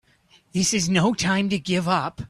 This is no time to give up!